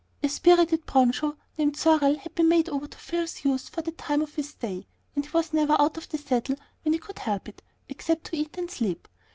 A spirited broncho, named Sorrel, had been made over to Phil's use for the time of his stay, and he was never out of the saddle when he could help it, except to eat and sleep.